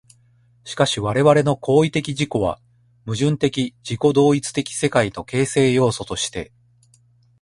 しかし我々の行為的自己は、矛盾的自己同一的世界の形成要素として、